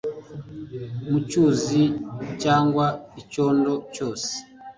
mu cyuzi cyangwa icyondo cyose